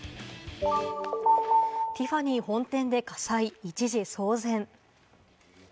ティファニー本店で火災、一時騒然。